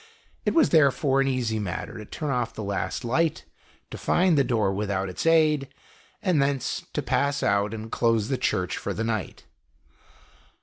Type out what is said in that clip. It was therefore an easy matter to turn oE the last light, to find the door without its aid, and thence to pass out, and close the Church for the night.